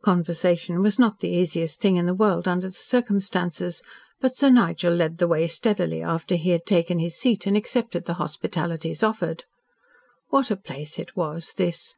Conversation was not the easiest thing in the world under the circumstances, but Sir Nigel led the way steadily after he had taken his seat and accepted the hospitalities offered. What a place it was this!